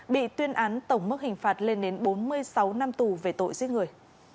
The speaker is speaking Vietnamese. bị tuyên án tổng mức hình phạt lên đến bốn mươi sáu năm tù về tội giết người